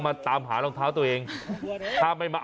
แบบนี้คือแบบนี้คือแบบนี้คือแบบนี้คือ